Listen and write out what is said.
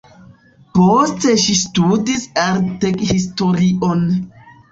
Poste ŝi studis arthistorion.